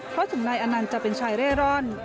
เพราะถึงนายอนันต์จะเป็นชายเร่ร่อน